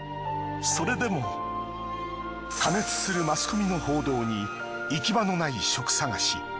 それでも過熱するマスコミの報道に行き場のない職探し。